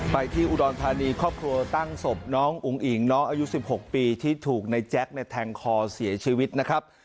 ไปที่อุดรธานีครอบครัวตั้งศพน้องอุ๋งอิ๋งน้องอายุ๑๖ปีที่ถูกในแจ๊คแทงคอเสียชีวิตนะครับ